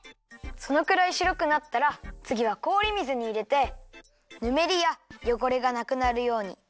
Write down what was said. そのくらいしろくなったらつぎはこおり水にいれてぬめりやよごれがなくなるようにてであらいます。